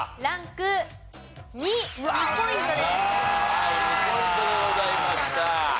はい２ポイントでございました。